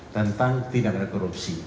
tentang tindak berkorupsi